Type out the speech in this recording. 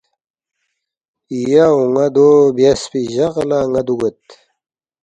”یا اون٘ا دو بیاسفی جق لہ ن٘ا دُوگید